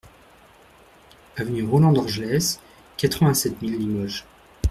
Avenue Roland Dorgelès, quatre-vingt-sept mille Limoges